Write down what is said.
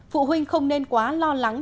phụ huynh không nên quá lo lắng